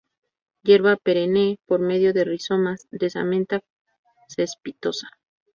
Hierba perenne por medio de rizomas, densamente cespitosa.